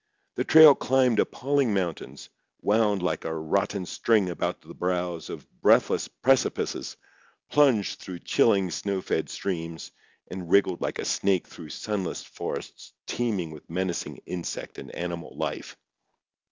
The trail climbed appalling mountains, wound like a rotten string about the brows of breathless precipices, plunged through chilling snow fed streams, and wriggled like a snake through sunless forests teeming with menacing insect and animal life.